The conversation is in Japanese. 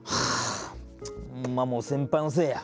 ほんまもう先輩のせいや。